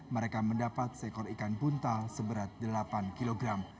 mereka mendapat seekor ikan buntal seberat delapan kg